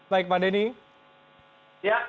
baik pak denny